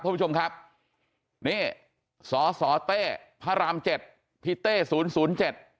พวกผู้ชมครับนี่สสเต้พระราม๗พเต้๐๐๗